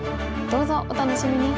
どうぞお楽しみに！